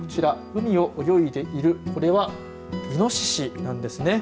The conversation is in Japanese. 海を泳いでいる、これはいのししなんですね。